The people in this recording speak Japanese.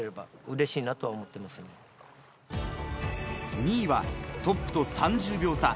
２位はトップと３０秒差。